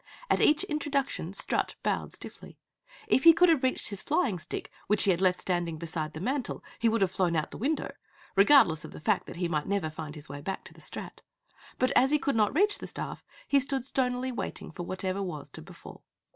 At each introduction Strut bowed stiffly. If he could have reached his flying stick which he had left standing beside the mantel, he would have flown out the window regardless of the fact that he might never find his way back to the Strat. But as he could not reach the staff, he stood stonily waiting for whatever was to befall.